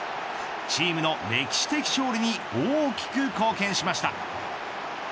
チームの歴史的勝利に大きく貢献しました。